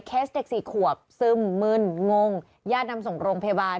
เด็กสี่ขวบซึมมึนงงญาตินำส่งโรงพยาบาล